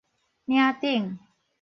嶺頂